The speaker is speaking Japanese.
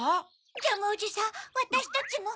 ジャムおじさんわたしたちも。